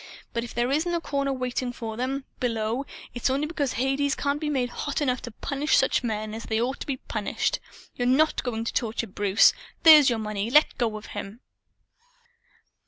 But if there isn't a corner waiting for them, below, it's only because Hades can't be made hot enough to punish such men as they ought to be punished! You're not going to torture Bruce. There's your money. Let go of him."